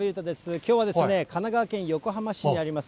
きょうは神奈川県横浜市にあります